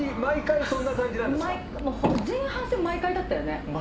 前半戦毎回だったよね。